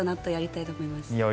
よいと思います。